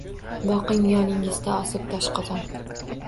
Boqing, yoningizda osib doshqozon